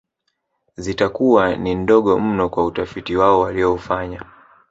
Zitakuwa ni ndogo mno kwa utafiti wao walioufanya